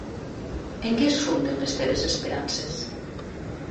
En què es funden, les teves esperances?